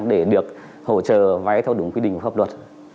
để được hỗ trợ vay theo đúng quy định của pháp luật